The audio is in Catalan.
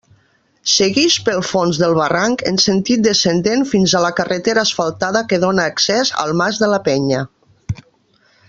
Seguix pel fons del barranc en sentit descendent fins a la carretera asfaltada que dóna accés al Mas de la Penya.